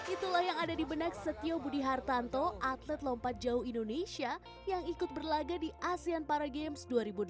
itulah yang ada di benak setio budi hartanto atlet lompat jauh indonesia yang ikut berlaga di asean para games dua ribu delapan belas